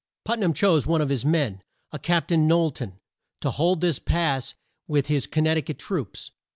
Put nam chose one of his men, a Cap tain Knowl ton, to hold this pass with his Con nect i cut troops.